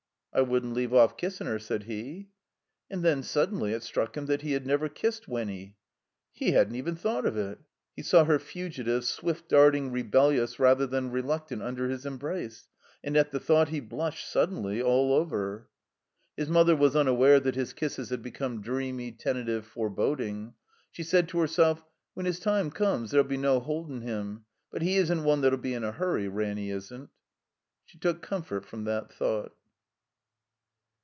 'T wouldn't leave off kissin' her," said he. And then, suddenly, it struck him that he had never kissed Winny. He hadn't even thought of it. He saw her fugitive, swift darting, rebellious rath er than reluctant tmder his embrace; and at the thought he blushed, suddenly, all over. His mother was tmaware that his kisses had be come dreamy, tentative, foreboding. She said to herself: "When his time comes there '11 be no hold ing him. But he isn't one that 'U be in a hurry, Ranny isn't." She took comfort from that thought.